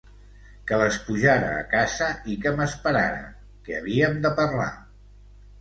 Que les pujara a casa i que m'esperara, que havíem de parlar.